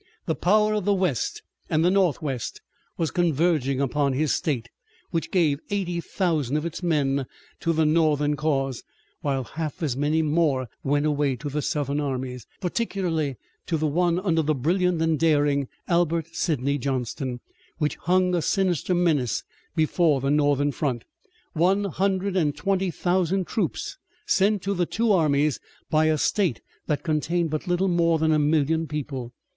The power of the west and the northwest was converging upon his state, which gave eighty thousand of its men to the Northern cause, while half as many more went away to the Southern armies, particularly to the one under the brilliant and daring Albert Sidney Johnston, which hung a sinister menace before the Northern front. One hundred and twenty thousand troops sent to the two armies by a state that contained but little more than a million people!